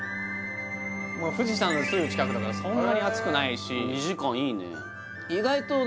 もう富士山のすぐ近くだからそんなに暑くないし２時間いいね意外とね